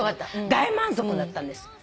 大満足だったんです。